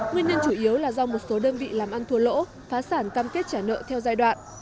nguyên nhân chủ yếu là do một số đơn vị làm ăn thua lỗ phá sản cam kết trả nợ theo giai đoạn